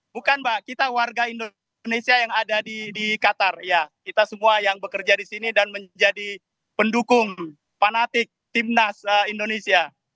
bukan mbak kita warga indonesia yang ada di qatar kita semua yang bekerja di sini dan menjadi pendukung fanatik timnas indonesia